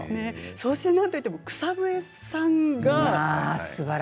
そして、なんといっても草笛さんが。